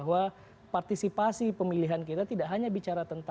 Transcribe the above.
atau fertilizer air yang ditempatkan khas dari bukit youmo select media